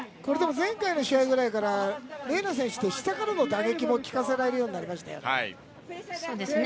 前回の試合じゃないからＲＥＮＡ選手って下からの打撃も効かせられるようになりましたね。